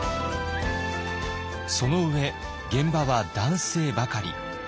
その上現場は男性ばかり。